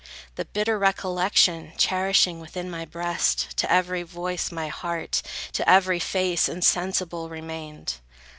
The bitter recollection cherishing Within my breast, to every voice my heart, To every face, insensible remained.